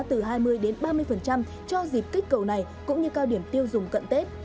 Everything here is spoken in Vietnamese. từ hai mươi ba mươi cho dịp kích cầu này cũng như cao điểm tiêu dùng cận tết